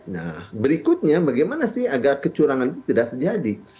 nah berikutnya bagaimana sih agar kecurangan itu tidak terjadi